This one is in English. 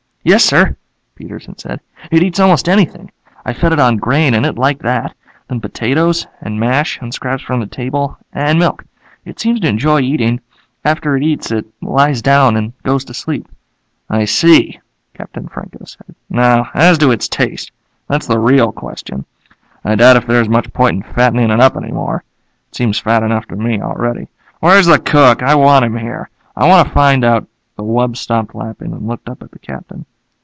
"Yes, sir," Peterson said. "It eats almost anything. I fed it on grain and it liked that. And then potatoes, and mash, and scraps from the table, and milk. It seems to enjoy eating. After it eats it lies down and goes to sleep." "I see," Captain Franco said. "Now, as to its taste. That's the real question. I doubt if there's much point in fattening it up any more. It seems fat enough to me already. Where's the cook? I want him here. I want to find out " The wub stopped lapping and looked up at the Captain.